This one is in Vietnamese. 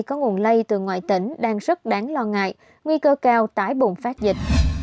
có nguồn lây từ ngoại tỉnh đang rất đáng lo ngại nguy cơ cao tái bùng phát dịch